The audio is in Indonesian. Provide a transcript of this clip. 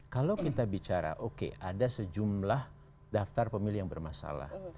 kalau kita bicara oke ada sejumlah daftar pemilih yang bermasalah